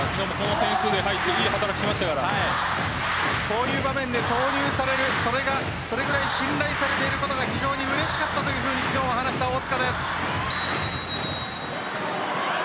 こういう場面で投入されるそれくらい信頼されていることが非常にうれしかったというふうに話した大塚です。